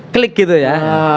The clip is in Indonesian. klik gitu ya